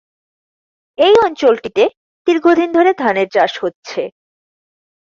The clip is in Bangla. এই অঞ্চলটিতে দীর্ঘদিন ধরে ধানের চাষ হচ্ছে।